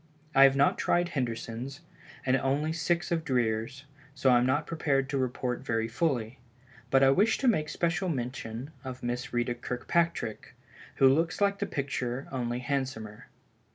I have not tried Henderson's, and only six of Dreer's, so I am not prepared to report very fully. But I wish to make special mention of Miss Ritta Kirkpatrick, which looks like the picture only it is handsomer.